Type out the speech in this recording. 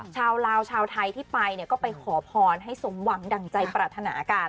ชาวลาวชาวไทยที่ไปเนี่ยก็ไปขอพรให้สมหวังดั่งใจปรารถนากัน